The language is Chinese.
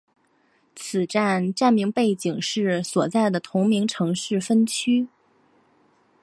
此站站名背景是所在的同名城市分区。